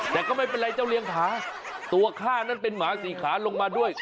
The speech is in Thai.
แต่ก็ไม่เป็นไรเจ้าเลี้ยงขาตัวข้านั้นเป็นหมาสี่ขาลงมาด้วย